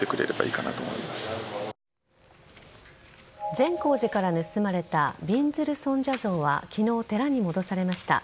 善光寺から盗まれたびんずる尊者像は昨日、寺に戻されました。